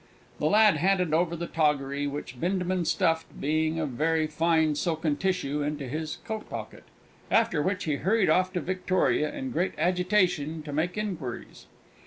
The lad handed over the toggery, which Bindabun stuffed, being of very fine silken tissue, into his coat pocket, after which he hurried off to Victoria in great agitation to make inquiries.